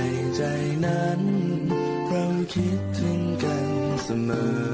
ในใจนั้นเราคิดถึงกันเสมอ